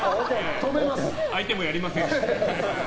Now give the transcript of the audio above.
相手もやりません。